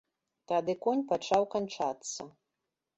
Тады конь пачаў канчацца.